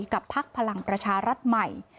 กับภักดิ์พลังประชารัฐใหม่